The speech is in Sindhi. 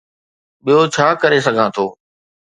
ٻيو ڇا ڪري سگهان ٿو؟